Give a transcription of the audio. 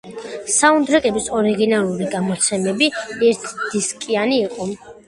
საუნდტრეკების ორიგინალური გამოცემები ერთდისკიანი იყო.